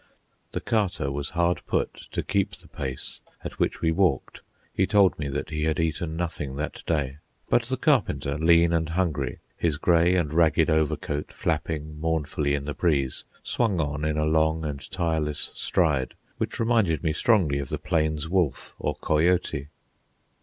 The Carter was hard put to keep the pace at which we walked (he told me that he had eaten nothing that day), but the Carpenter, lean and hungry, his grey and ragged overcoat flapping mournfully in the breeze, swung on in a long and tireless stride which reminded me strongly of the plains wolf or coyote.